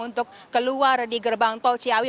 untuk keluar di gerbang tol ciawi